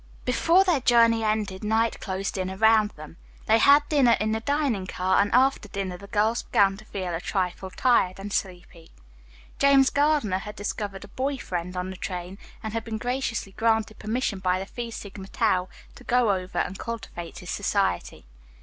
Before their journey ended night closed in around them. They had dinner in the dining car, and after dinner the girls began to feel a trifle tired and sleepy. James Gardiner had discovered a boy friend on the train and had been graciously granted permission by the Phi Sigma Tau to go over and cultivate his society.